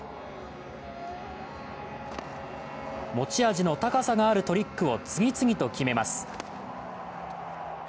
持ち味の高さがあるトリックを次々と決めます。